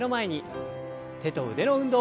手と腕の運動から。